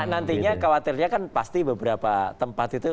nantinya khawatirnya kan pasti beberapa tempat itu